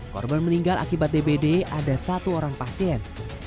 korban meninggal akibat dbd ada satu orang pasien